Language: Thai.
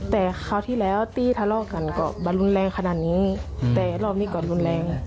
แต่เขาที่แล้วตีทะเลาะกันก็รุนแรงขนาดนี้แต่รอบนี้ก็รุน